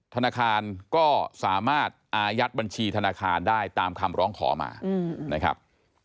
ธนาคารก็สามารถอายัดบัญชีธนาคารได้ตามคำร้องขอมานะครับ